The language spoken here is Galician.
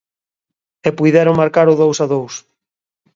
E puideron marcar o dous a dous.